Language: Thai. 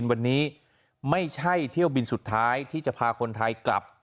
วันนี้ไม่ใช่เที่ยวบินสุดท้ายที่จะพาคนไทยกลับ